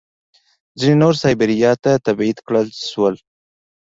ځینې نور سایبیریا ته تبعید کړای شول